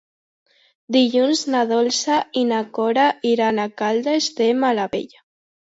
Dilluns na Dolça i na Cora iran a Caldes de Malavella.